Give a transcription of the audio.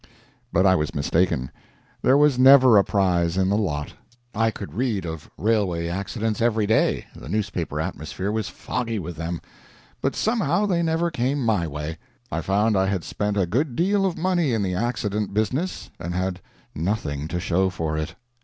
But I was mistaken. There was never a prize in the the lot. I could read of railway accidents every day the newspaper atmosphere was foggy with them; but somehow they never came my way. I found I had spent a good deal of money in the accident business, and had nothing to show for it.